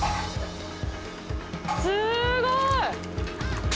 すーごい！